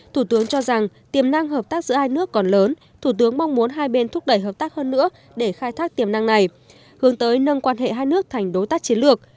thủ tướng cho rằng tiềm năng hợp tác giữa hai nước còn lớn thủ tướng mong muốn hai bên thúc đẩy hợp tác hơn nữa để khai thác tiềm năng này hướng tới nâng quan hệ hai nước thành đối tác chiến lược